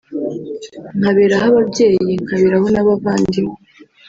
nkaberaho ababyeyi nkaberaho n’abavandimwe